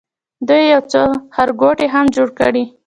دوی یو څو ښارګوټي هم جوړ کړي.